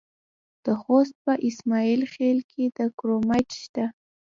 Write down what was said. د خوست په اسماعیل خیل کې کرومایټ شته.